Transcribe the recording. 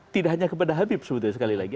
tidak hanya kepada habib sebetulnya sekali lagi